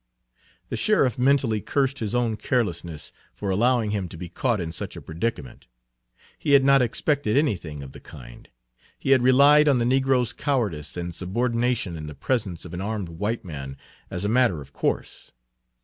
The sheriff mentally cursed his own carelessness for allowing him to be caught in such a predicament. He had not expected anything Page 81 of the kind. He had relied on the negro's cowardice and subordination in the presence of an armed white man as a matter of course.